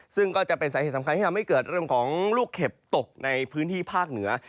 ซึ่งก็จะเป็นสาเหตุสำคัญให้บ้านตกให้เกิดลูกเข็บในพื้นที่ภาคเหนือ